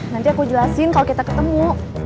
nanti aku jelasin kalau kita ketemu